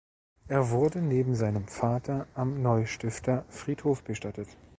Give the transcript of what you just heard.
Er wurde neben seinem Vater am Neustifter Friedhof bestattet.